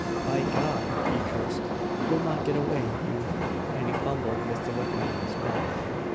"By God!" he cursed. "You'll not get away, you " And he fumbled with the weapon in his belt.